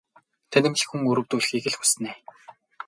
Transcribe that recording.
Тэнэмэл хүн өрөвдүүлэхийг л хүснэ ээ.